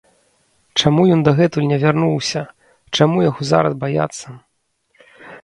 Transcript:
Чаму ён дагэтуль не вярнуўся, чаго яму зараз баяцца?